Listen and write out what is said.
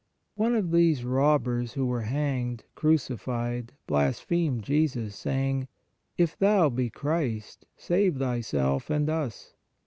One of these robbers who were hanged (cruci fied) blasphemed Jesus, saying: If Thou be Christ, save Thyself and us.